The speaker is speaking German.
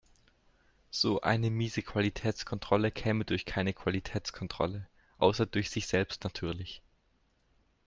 So eine miese Qualitätskontrolle käme durch keine Qualitätskontrolle, außer durch sich selbst natürlich.